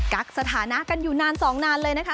ักสถานะกันอยู่นานสองนานเลยนะคะ